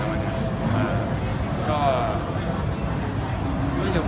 ดีกว่าสุข